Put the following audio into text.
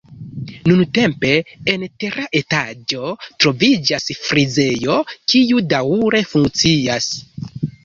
Nuntempe, en tera etaĝo troviĝas frizejo, kiu daŭre funkcias.